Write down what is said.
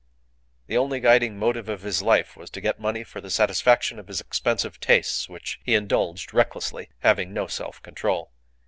The only guiding motive of his life was to get money for the satisfaction of his expensive tastes, which he indulged recklessly, having no self control.